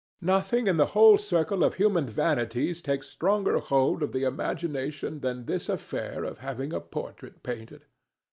Nothing in the whole circle of human vanities takes stronger hold of the imagination than this affair of having a portrait painted.